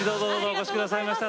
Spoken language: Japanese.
お越し下さいました